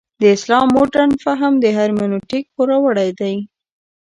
د اسلام مډرن فهم د هرمنوتیک پوروړی دی.